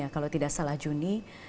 kalau tidak salah juni